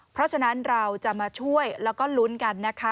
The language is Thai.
เพราะฉะนั้นเราจะมาช่วยแล้วก็ลุ้นกันนะคะ